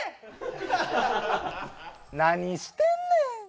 何してんねん。